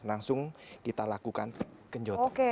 langsung kita lakukan kenjotot